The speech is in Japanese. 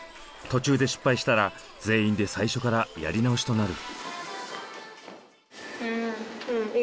途中で失敗したら全員で最初からやり直しとなる。